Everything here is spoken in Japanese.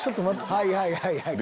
はいはいはい。